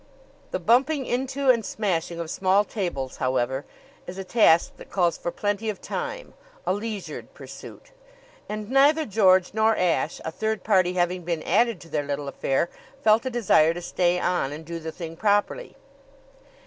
The bumping into and smashing of small tables, however, is a task that calls for plenty of time, a leisured pursuit; and neither George nor Ashe, a third party having been added to their little affair, felt a desire to stay on and do the thing properly.